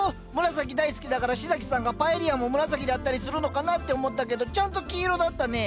紫大好きだから紫咲さんがパエリアも紫だったりするのかなって思ったけどちゃんと黄色だったね。